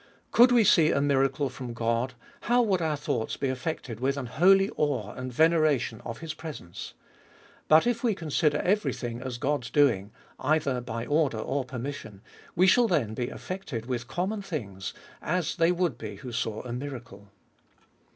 Could we see a miracle from God, ho\v would our thoughts be affected with an holy awe and veneration of his presence ! But if we consider every thing as God's doing, either by order or permission, we shall then be affected with common things as they would be who saw a miracle.